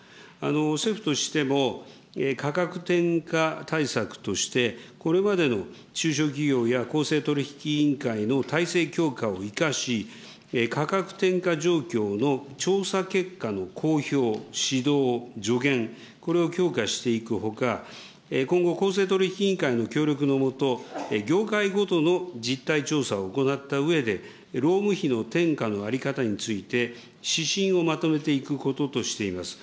政府としても、価格転嫁対策として、これまでの中小企業や公正取引委員会の体制強化を生かし、価格転嫁状況の調査結果の公表、指導、助言、これを強化していくほか、今後、公正取引委員会の協力の下、業界ごとの実態調査を行ったうえで、労務費の転嫁の在り方について、指針をまとめていくこととしています。